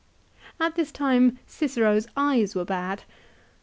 At this time Cicero's eyes were bad.